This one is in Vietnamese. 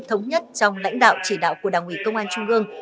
thống nhất trong lãnh đạo chỉ đạo của đảng ủy công an trung ương